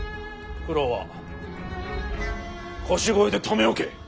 九郎は腰越で留め置け。